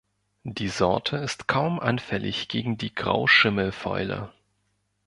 Die Sorte ist kaum anfällig gegen die Grauschimmelfäule.